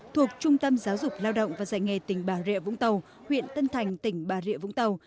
thuộc trung tâm giáo dục lao động và dạy nghề tỉnh bà rịa vũng tàu huyện tân thành tỉnh bà rịa vũng tàu